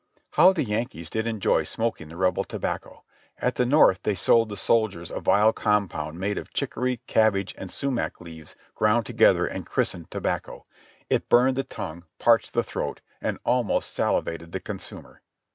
How the Yankees did enjoy smoking the Rebel tobacco! At the North they sold the soldiers a vile compound made of chick ory, cabbage and sumac leaves ground together and christened tobacco. It burned the tongue, parched the throat, and almost salivated the consumer.